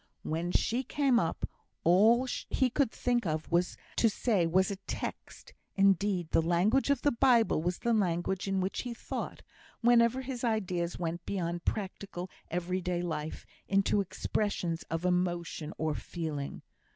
When she came up, all he could think of to say was a text; indeed, the language of the Bible was the language in which he thought, whenever his ideas went beyond practical everyday life into expressions of emotion or feeling.